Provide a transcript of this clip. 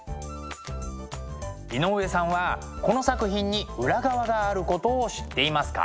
井上さんはこの作品に裏側があることを知っていますか？